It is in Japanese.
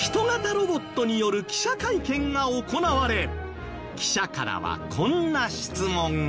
ロボットによる記者会見が行われ記者からはこんな質問が。